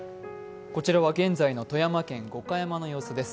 こちらは現在の富山県五箇山の様子です。